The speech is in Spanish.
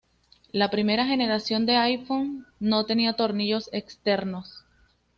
La primera generación de iPhone no tenía tornillos externos.